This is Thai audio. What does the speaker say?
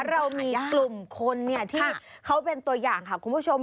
เรามีกลุ่มคนที่เขาเป็นตัวอย่างค่ะคุณผู้ชม